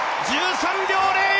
１３秒０４。